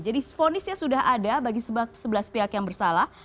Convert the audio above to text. jadi ponisnya sudah ada bagi sebelas pihak yang bersalah